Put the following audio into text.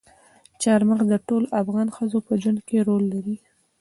چار مغز د ټولو افغان ښځو په ژوند کې رول لري.